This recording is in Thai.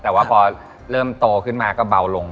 แต่ว่าพอเริ่มโตขึ้นมาก็เบาลง